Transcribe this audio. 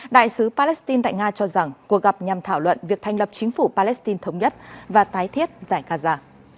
đại sứ palestine tại nga cho rằng cuộc gặp nhằm thảo luận việc thành lập chính phủ palestine thống nhất và tái thiết giải gaza